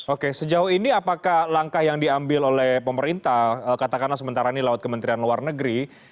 oke sejauh ini apakah langkah yang diambil oleh pemerintah katakanlah sementara ini laut kementerian luar negeri